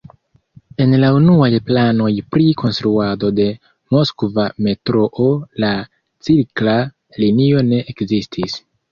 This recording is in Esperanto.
En la unuaj planoj pri konstruado de Moskva metroo la cirkla linio ne ekzistis.